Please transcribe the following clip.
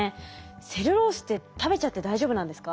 セルロースって食べちゃって大丈夫なんですか？